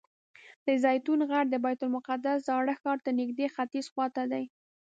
د زیتون غر د بیت المقدس زاړه ښار ته نږدې ختیځ خوا ته دی.